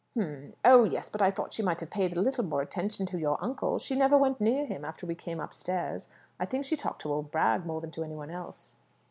"H'm! Oh yes; but I thought she might have paid a little more attention to your uncle. She never went near him after we came upstairs. I think she talked to old Bragg more than to any one else."